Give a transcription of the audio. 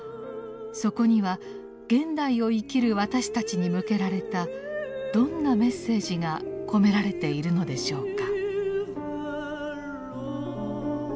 そこには現代を生きる私たちに向けられたどんなメッセージが込められているのでしょうか。